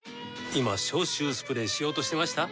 今消臭スプレーしようとしてました？